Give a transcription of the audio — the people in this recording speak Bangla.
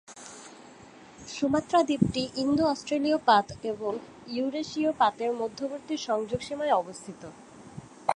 সুমাত্রা দ্বীপটি ইন্দো-অস্ট্রেলীয় পাত এবং ইউরেশীয় পাতের মধ্যবর্তী সংযোগ সীমায় অবস্থিত।